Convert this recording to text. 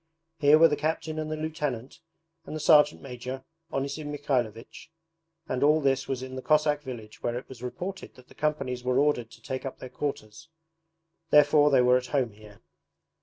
Here were the captain and the lieutenant and the sergeant major, Onisim Mikhaylovich, and all this was in the Cossack village where it was reported that the companies were ordered to take up their quarters: therefore they were at home here.